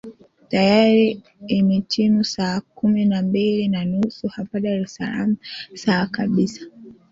tayari imetimu saa kumi na mbili na nusu hapa dar es salam sawa kabisa